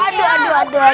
aduh aduh aduh